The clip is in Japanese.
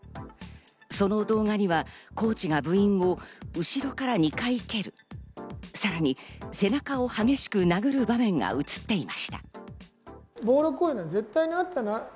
その動画にはコーチが部員を後ろから２回蹴る、さらに背中を激しく殴る場面が映っていました。